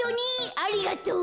ありがとう。